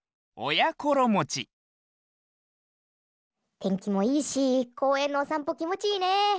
てんきもいいしこうえんのおさんぽきもちいいね。